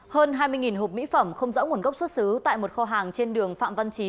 hơn hai mươi hộp mỹ phẩm không rõ nguồn gốc xuất xứ tại một kho hàng trên đường phạm văn chí